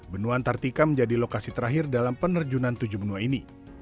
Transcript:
benua antartika menjadi lokasi terakhir dalam penerjunan tujuh benua ini